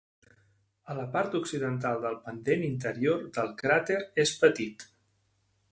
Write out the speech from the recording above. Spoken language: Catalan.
A la part occidental del pendent interior del cràter és petit.